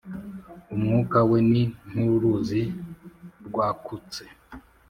Umwuka we ni nk’uruzi rwakutse,